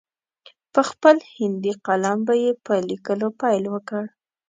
په خپل هندي قلم به یې په لیکلو پیل وکړ.